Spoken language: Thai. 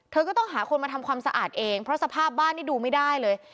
เธอก็ต้องหาคนมาทำความสะอาดเองเพราะสภาพบ้านนี่ดูไม่ได้เลย